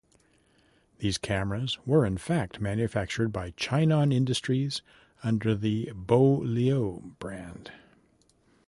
These cameras were in fact manufactured by Chinon Industries under the Beaulieu brand.